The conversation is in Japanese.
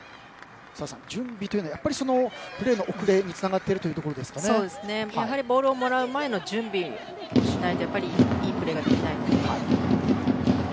澤さん、準備というのはプレーの遅れにつながっているやはりボールをもらう前の準備をしないといいプレーができないので。